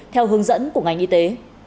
theo hướng dẫn của ngành y tế